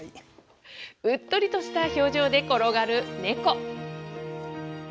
うっとりとした表情で転がるネコ。